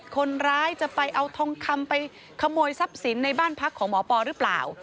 คนร้ายจะไปเอาทองคำไปขโมยทรัพย์สินในบ้านพักของหมอปอหรือเปล่า